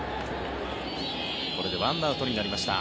これで１アウトになりました。